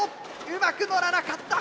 うまくのらなかった。